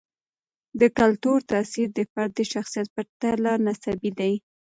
د کلتور تاثیر د فرد د شخصیت په پرتله نسبي دی.